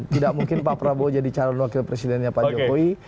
tidak mungkin pak prabowo jadi calon wakil presidennya pak jokowi